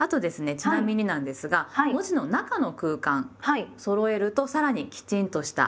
ちなみになんですが文字の中の空間そろえるとさらにきちんとした印象になります。